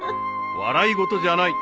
［笑い事じゃない。